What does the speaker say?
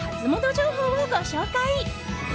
情報をご紹介！